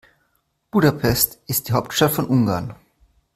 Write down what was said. Budapest ist die Hauptstadt von Ungarn.